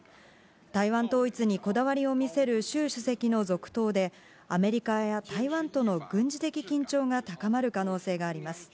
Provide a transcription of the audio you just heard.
台湾統一にこだわりを見せる習主席の続投で、アメリカや台湾との軍事的緊張が高まる可能性があります。